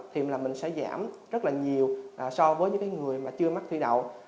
thì mình sẽ giảm rất là nhiều so với những người chưa mắc thủy đậu